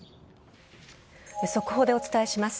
速報でお伝えします。